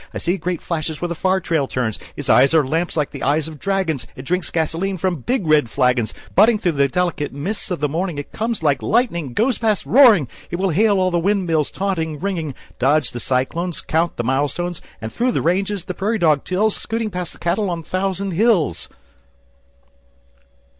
I see great flashes where the far trail turns. Its eyes are lamps like the eyes of dragons. It drinks gasoline from big red flagons. Butting through the delicate mists of the morning, It comes like lightning, goes past roaring. It will hail all the wind mills, taunting, ringing, Dodge the cyclones, Count the milestones, On through the ranges the prairie dog tills Scooting past the cattle on the thousand hills....